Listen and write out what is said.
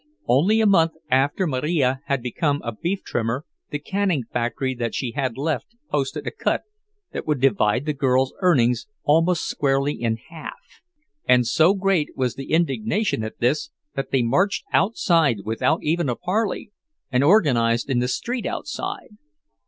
Only a month after Marija had become a beef trimmer the canning factory that she had left posted a cut that would divide the girls' earnings almost squarely in half; and so great was the indignation at this that they marched out without even a parley, and organized in the street outside.